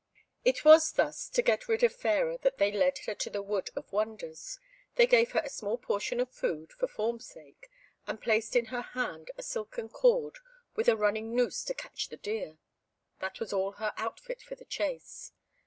It was, thus, to get rid of Fairer that they led her to the Wood of Wonders. They gave her a small portion of food, for form's sake, and placed in her hand a silken cord, with a running noose to catch the deer. That was all her outfit for the chase.